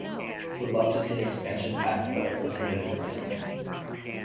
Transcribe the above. Would love to see an expansion pack put up for Community Pricing.